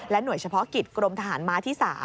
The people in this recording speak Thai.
หน่วยเฉพาะกิจกรมทหารม้าที่๓